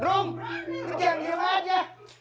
rum kerjaan diam aja